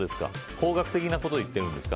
方角的なことを言ってるんですか。